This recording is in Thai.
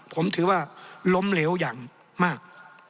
ผมถือว่าล้มเหลวอย่างมาก